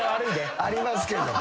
ありますけど。